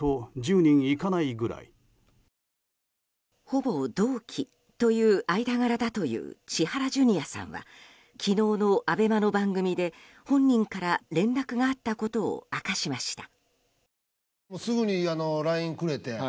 ほぼ同期という間柄だという千原ジュニアさんは昨日のＡＢＥＭＡの番組で本人から連絡があったことを明かしました。